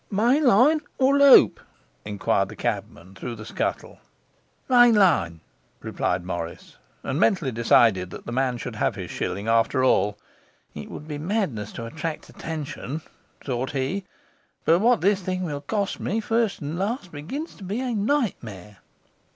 'Main line or loop?' enquired the cabman, through the scuttle. 'Main line,' replied Morris, and mentally decided that the man should have his shilling after all. 'It would be madness to attract attention,' thought he. 'But what this thing will cost me, first and last, begins to be a nightmare!